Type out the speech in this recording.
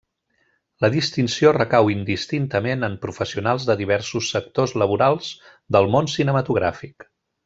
La distinció recau indistintament en professionals de diversos sectors laborals del món cinematogràfic.